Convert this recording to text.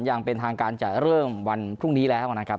อย่างเป็นทางการจะเริ่มวันพรุ่งนี้แล้วนะครับ